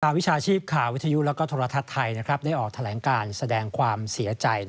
วิชาชีพข่าววิทยุและโทรทัศน์ไทยได้ออกแถลงการแสดงความเสียใจ